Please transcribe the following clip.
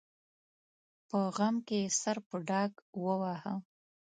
په غم کې یې سر په ډاګ وواهه.